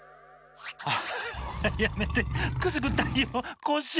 ハハやめてくすぐったいよコッシー。